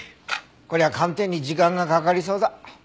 こりゃ鑑定に時間がかかりそうだ。